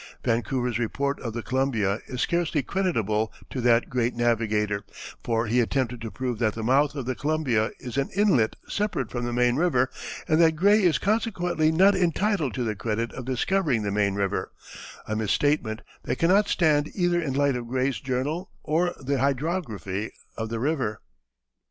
Vancouver's report of the Columbia is scarcely creditable to that great navigator, for he attempted to prove that the mouth of the Columbia is an inlet separate from the main river, and that Gray is consequently not entitled to the credit of discovering the main river, a misstatement that cannot stand either in light of Gray's journal or the hydrography of the river.